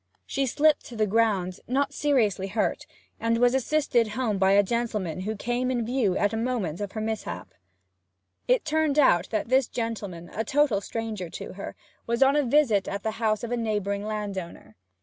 She slipped to the ground, not seriously hurt, and was assisted home by a gentleman who came in view at the moment of her mishap. It turned out that this gentleman, a total stranger to her, was on a visit at the house of a neighbouring landowner.